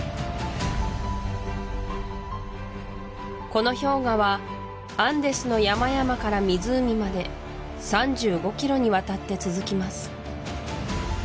この氷河はアンデスの山々から湖まで３５キロにわたって続きます